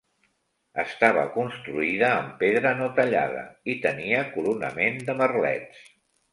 Estava construïda amb pedra no tallada i tenia coronament de merlets.